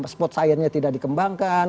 spot science nya tidak dikembangkan